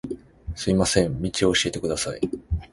すみません、道を教えてください